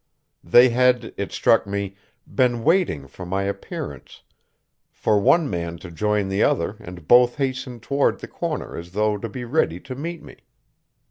They had, it struck me, been waiting for my appearance, for one ran to join the other and both hastened toward the corner as though to be ready to meet me.